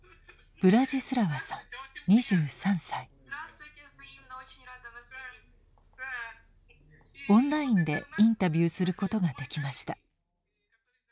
オンラインでインタビューすることができました。